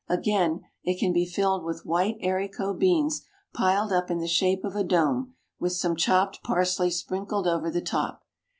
Again, it can be filled with white haricot beans piled up in the shape of a dome, with some chopped parsley sprinkled over the top.